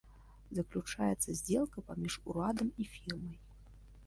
Заключаецца здзелка паміж урадам і фірмай.